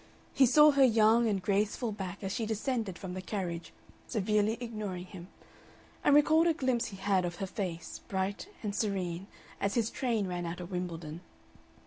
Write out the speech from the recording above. He saw her young and graceful back as she descended from the carriage, severely ignoring him, and recalled a glimpse he had of her face, bright and serene, as his train ran out of Wimbledon.